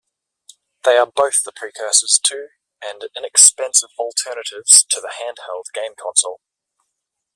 They are both the precursors to and inexpensive alternatives to the handheld game console.